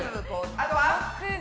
あとは？